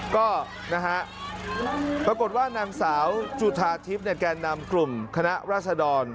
ก็นะฮะปรากฏว่านางสาวจุธาทิพย์แก่นำกลุ่มคณะราษดร